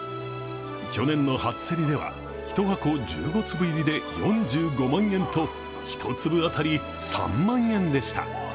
去年の初競りでは１箱１５粒入りで４５万円と１粒あたり３万円でした。